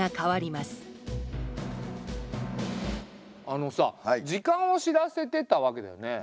あのさ時間を知らせてたわけだよね。